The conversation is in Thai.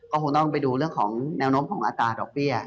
ก็คงต้องไปดูเรื่องของแนวโน้มของอัตราดอกเบี้ย